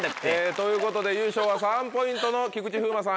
ということで優勝は３ポイントの菊池風磨さん